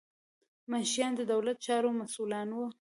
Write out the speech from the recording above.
منشیان د دولت د چارو مسؤلان وو.